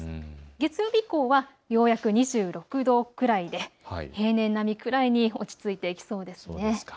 月曜日以降はようやく２６度くらいで平年並みくらいに落ち着いていきそうです。